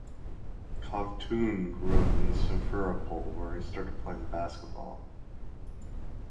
Kovtun grew up in Simferopol where he started playing basketball.